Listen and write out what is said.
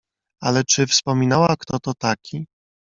"Ale, czy wspominała, kto to taki?"